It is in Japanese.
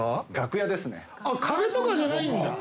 「壁とかじゃないんだ」